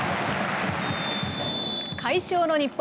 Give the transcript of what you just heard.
快勝の日本。